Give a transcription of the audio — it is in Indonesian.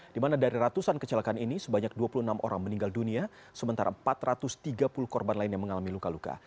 di mana dari ratusan kecelakaan ini sebanyak dua puluh enam orang meninggal dunia sementara empat ratus tiga puluh korban lain yang mengalami luka luka